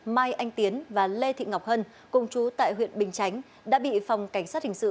mai anh tiến và lê thị ngọc hân cùng chú tại huyện bình chánh đã bị phòng cảnh sát hình sự